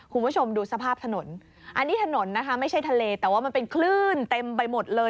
คุณผู้ชมดูสภาพถนนอันนี้ถนนนะคะไม่ใช่ทะเลแต่ว่ามันเป็นคลื่นเต็มไปหมดเลย